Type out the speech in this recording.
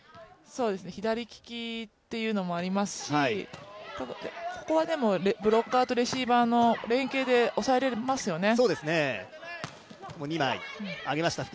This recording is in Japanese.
左利きというのもありますし、ここはでもブロッカーとレシーバーの連係で抑えられますよね。